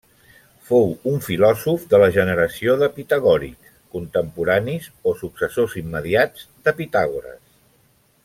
Fou un filòsof de la generació de pitagòrics contemporanis o successors immediats de Pitàgores.